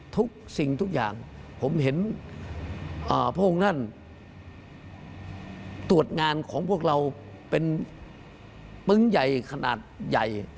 ทุกสิ่งทุกอย่างผมเห็นพระองค์ท่านตรวจงานของพวกเราเป็นปึ๊งใหญ่ขนาดใหญ่